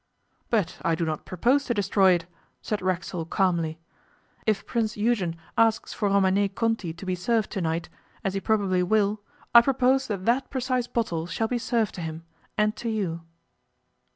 'But I do not propose to destroy it,' said Racksole calmly. 'If Prince Eugen asks for Romanée Conti to be served to night, as he probably will, I propose that that precise bottle shall be served to him and to you.